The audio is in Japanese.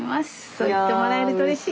そう言ってもらえるとうれしい。